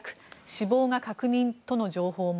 死亡が確認との情報も。